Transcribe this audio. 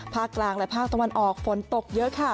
ภาคกลางและภาคตะวันออกฝนตกเยอะค่ะ